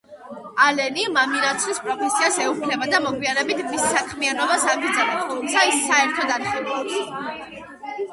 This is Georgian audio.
ალენი მამინაცვლის პროფესიას ეუფლება და მოგვიანებით მის საქმიანობას აგრძელებს, თუმცა ეს საერთოდ არ ხიბლავს.